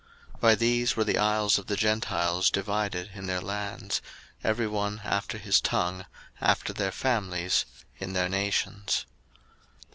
01:010:005 By these were the isles of the Gentiles divided in their lands; every one after his tongue, after their families, in their nations.